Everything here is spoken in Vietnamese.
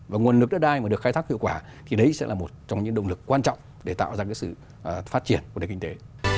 và nguồn nước đất đai mà được khai thác hiệu quả thì đấy sẽ là một trong những động lực quan trọng để tạo ra sự phát triển của nền kinh tế